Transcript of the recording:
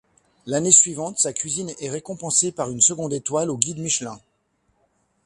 L'année suivante sa cuisine est récompensée par une seconde étoile au Guide Michelin.